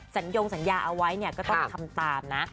ซันยงสัญญาเอาไว้ก็ต้องทำตามนะ